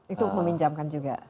itu meminjamkan juga